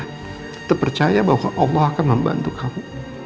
kita percaya bahwa allah akan membantu kamu